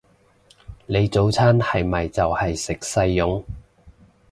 你早餐係咪就係食細蓉？